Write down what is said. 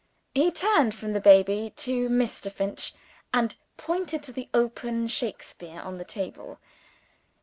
He turned from the baby to Mr. Finch, and pointed to the open Shakespeare on the table.